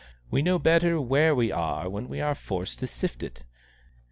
We know better where we are when we are forced to sift it.